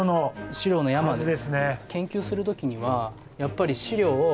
資料の山です。